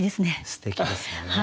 すてきですね。